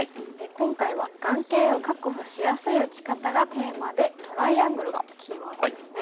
今回は眼形を確保しやすい打ち方がテーマでトライアングルがキーワードですね。